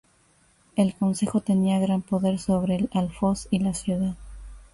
El concejo tenía gran poder sobre el alfoz y la ciudad.